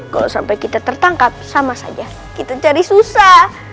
kalau sampai kita tertangkap sama saja kita cari susah